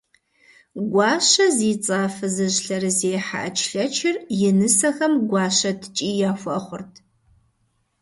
Гуащэ зи цӏэ а фызыжь лъэрызехьэ ӏэчлъэчыр, и нысэхэм гуащэ ткӏий яхуэхъурт.